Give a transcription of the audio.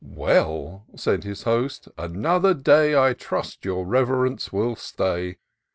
"Well," said his Host, " another day I trust your Reverence will stay."